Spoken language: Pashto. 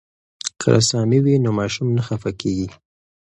که رسامي وي نو ماشوم نه خفه کیږي.